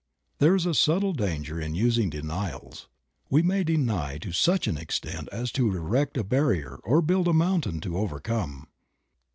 There is a subtle danger in using denials; we may deny to such an extent as to erect a barrier or build a mountain to overcome.